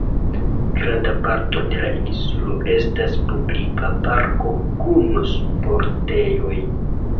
Granda parto de la insulo estas publika parko kun sportejoj.